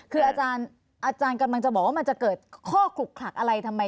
คืออาจารย์กำลังจะบอกว่ามันจะเกิดข้อขลุกขลักอะไรทำไม